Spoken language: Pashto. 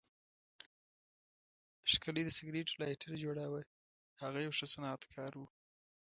ښکلی د سګریټو لایټر جوړاوه، هغه یو ښه صنعتکار و.